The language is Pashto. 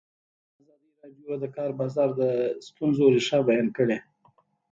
ازادي راډیو د د کار بازار د ستونزو رېښه بیان کړې.